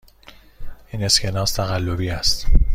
این اسکناس تقلبی است.